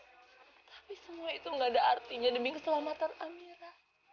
tapi semua itu gak ada artinya demi keselamatan amira